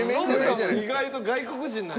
意外と外国人なんや。